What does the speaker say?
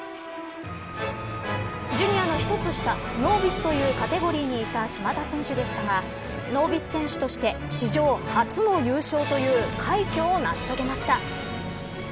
ジュニアの一つ下ノービスというカテゴリーにいた島田選手でしたがノービス選手として史上初の優勝という快挙を成し遂げました。